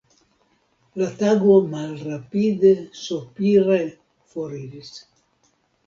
La tago malrapide sopire foriris.